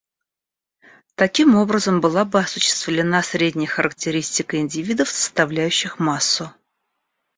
Таким образом была бы осуществлена средняя характеристика индивидов, составляющих массу.